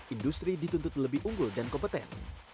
industri dituntut lebih unggul dan kompeten